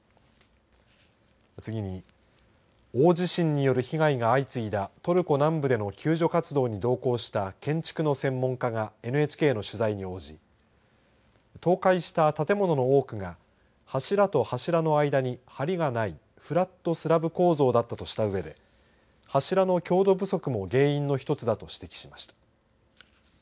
次に、大地震による被害が相次いだトルコ南部での救助活動に同行した建築の専門家がＮＨＫの取材に応じ倒壊した建物の多くが柱と柱の間にはりがないフラットスラブ構造だったとしたうえで柱の強度不足も原因の１つだと指摘しました。